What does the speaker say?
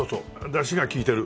だしが利いてる。